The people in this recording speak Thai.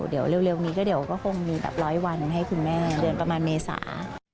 เดี๋ยวเร็วนี้ก็เดี๋ยวก็คงมีแบบร้อยวันให้คุณแม่เดือนประมาณเมษา